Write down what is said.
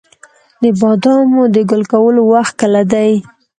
د بادامو د ګل کولو وخت کله دی؟